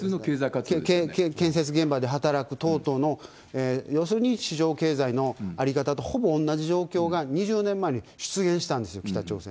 建設現場で働く等々の、要するに市場経済の在り方とほぼ同じ状況が、２０年前に出現したんですよ、北朝鮮。